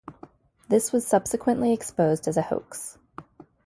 This was subsequently exposed as a hoax.